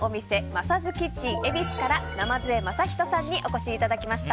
マサズキッチン恵比寿から鯰江真仁さんにお越しいただきました。